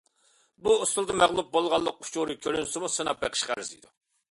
بۇ ئۇسۇلدا مەغلۇپ بولغانلىق ئۇچۇرى كۆرۈنسىمۇ سىناپ بېقىشقا ئەرزىيدۇ.